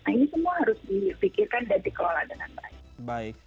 nah ini semua harus difikirkan dan dikelola dengan baik